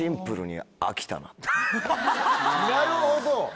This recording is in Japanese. なるほど。